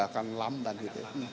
akan lambat gitu ya